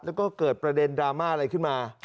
แล้วก็เกิดประเด็นดราม่าอะไรขึ้นมา